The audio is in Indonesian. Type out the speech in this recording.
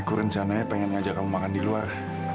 aku rencananya pengen ngajak kamu makan di luar